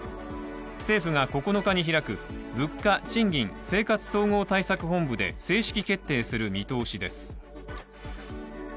政府が９日に開く物価・賃金・生活総合対策本部で正式決定する見通しです。